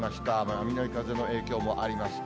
南風の影響もあります。